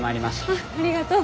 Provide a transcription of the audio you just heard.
あぁありがとう。